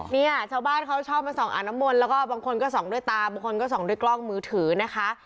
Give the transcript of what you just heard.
เนี่ยชาวบ้านเขาชอบมาส่องอ่างน้ำมนต์แล้วก็บางคนก็ส่องด้วยตาบางคนก็ส่องด้วยกล้องมือถือนะคะ